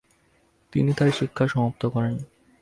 তিনি তার শিক্ষা সমাপ্ত করেন।